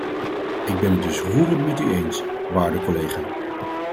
Ik ben het dus roerend met u eens, waarde collega.